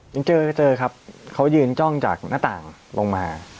ยังเจอเจอครับเขายืนจ้องจากหน้าต่างลงมา